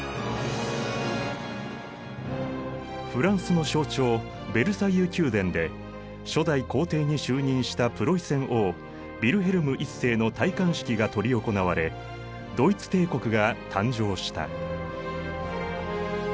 フランスの象徴ヴェルサイユ宮殿で初代皇帝に就任したプロイセン王ヴィルヘルム１世の戴冠式が執り行われドイツ帝国が誕生した。